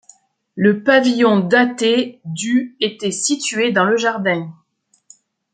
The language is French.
Le pavillon daté du était situé dans le jardin.